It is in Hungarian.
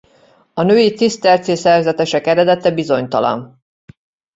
A női ciszterci szerzetesek eredete bizonytalan.